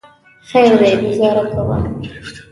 خیر دی ګوزاره کوه.